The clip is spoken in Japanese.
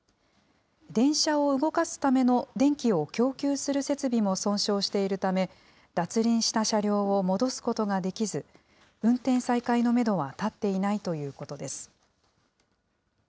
電車を動かすための電気を供給する設備も損傷しているため、脱輪した車両を戻すことができず、運転再開のメドは立っていないということです。